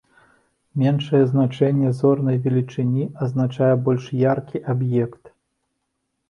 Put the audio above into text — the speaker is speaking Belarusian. Меншае значэнне зорнай велічыні азначае больш яркі аб'ект.